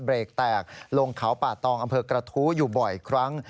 เบรกแตกลงเขาป่าตองอำเภอกระทู้อยู่บ่อยครั้ง